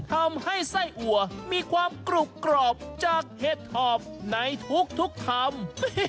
ทำให้ไส้อัวมีความกรุบกรอบจากเห็ดถอบในทุกคำ